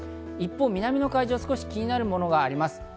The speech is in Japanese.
一方、南の海上、少し気になるものがあります。